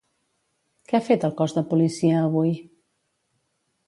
Què ha fet el cos de policia avui?